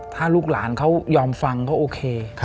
ถ้าลูกหลานเขายอมฟังเขาโอเค